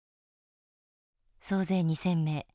総勢２，０００名。